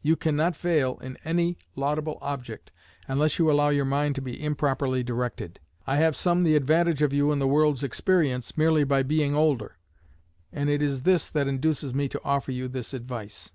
You cannot fail in any laudable object unless you allow your mind to be improperly directed. I have some the advantage of you in the world's experience, merely by being older; and it is this that induces me to offer you this advice."